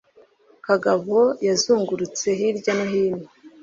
Kagabo yazungurutse hirya no hino,